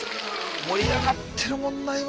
盛り上がってるもんな今。